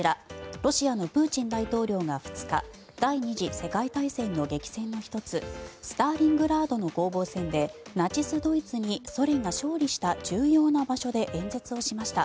ロシアのプーチン大統領が２日第２次世界大戦の激戦の１つスターリングラードの攻防戦でナチス・ドイツにソ連が勝利した重要な場所で演説をしました。